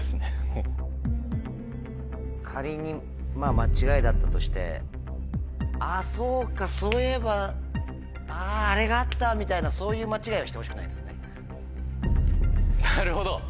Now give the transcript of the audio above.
仮に間違いだったとして「あっそうかそういえばああれがあった」みたいなそういう間違いはしてほしくないですよね。